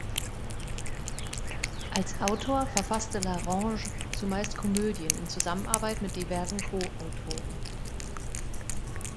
Als Autor verfasste L'Arronge zumeist Komödien in Zusammenarbeit mit diversen Co-Autoren.